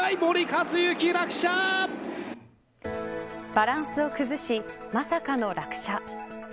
バランスを崩しまさかの落車。